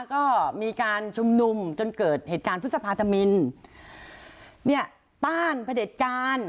ก็มีการชุมนุมจนเกิดเหตุการณ์พฤษภาธมินเนี่ยต้านพระเด็จการ